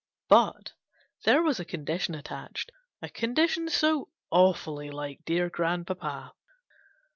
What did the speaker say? But there was a condition attached a condi tion so awfully like dear grandpapa